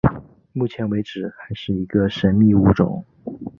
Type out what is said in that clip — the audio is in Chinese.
目前为止还是一个神秘的物种。